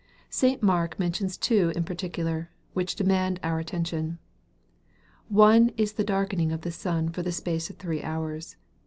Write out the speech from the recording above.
St. Mark mentions two in particular, which demand our attention. One is the darkening of the sun for the space of three hours.